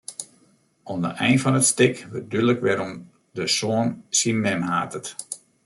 Oan de ein fan it stik wurdt dúdlik wêrom de soan syn mem hatet.